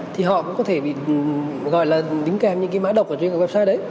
thì họ cũng có thể bị gọi là đính kèm những cái mã độc ở trên các website đấy